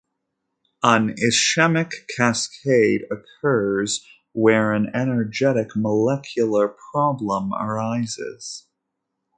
An ischemic cascade occurs where an energetic molecular problem arises.